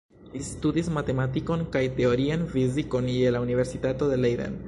Li studis matematikon kaj teorian fizikon je la universitato en Leiden.